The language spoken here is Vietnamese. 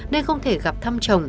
nên không thể gặp thầy